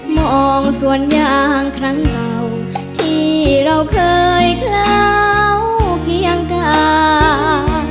มองสวนยางครั้งเหงาที่เราเคยเคล้าเคียงกา